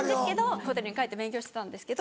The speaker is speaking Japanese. ホテルに帰って勉強してたんですけど。